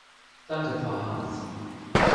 Danke, Frau Harms.